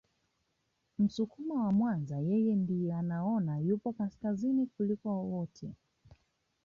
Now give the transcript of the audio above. Msukuma wa Mwanza yeye ndiye anaona yupo kaskazini hasa kuliko wote